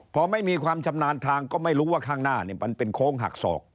พอไม่มีความชำนาญทางก็ไม่รู้ว่าข้างหน้ามันเป็นโค้งหักศอก